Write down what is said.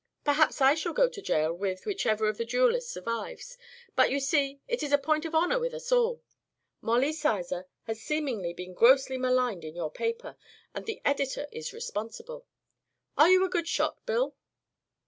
Perhaps I shall go to jail with whichever of the duelists survives; but you see it is a point of honor with us all. Molly Sizer has seemingly been grossly maligned in your paper, and the editor is responsible. Are you a good shot, Bill?"